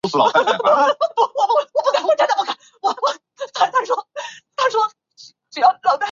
家庭成员赚的钱